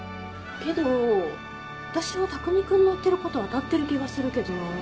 けど私はたくみ君の言ってること当たってる気がするけどなぁ。